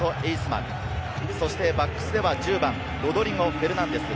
バックスでは１０番、ロドリゴ・フェルナンデス。